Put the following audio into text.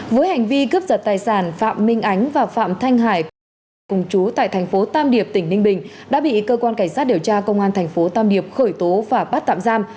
với hành vi cướp giật tài sản phạm minh ánh và phạm thanh hải cùng chú tại thành phố tam điệp tỉnh ninh bình đã bị cơ quan cảnh sát điều tra công an thành phố tam điệp khởi tố và bắt tạm giam